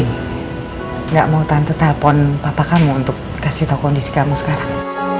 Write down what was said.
mungkin gak mau tante telpon papa kamu untuk kasih tau kondisi kamu sekarang